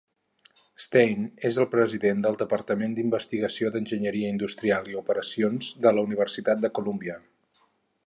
Stein és el president del Departament d'Investigació d'Enginyeria Industrial i Operacions de la Universitat de Columbia.